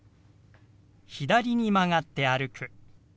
「左に曲がって歩く」。